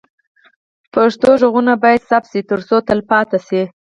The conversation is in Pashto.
پښتو غږونه باید ثبت شي ترڅو تل پاتې شي.